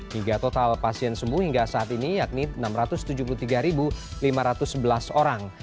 hingga total pasien sembuh hingga saat ini yakni enam ratus tujuh puluh tiga lima ratus sebelas orang